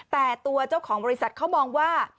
แต่ตัวเจ้าของบริษัทเขามองว่า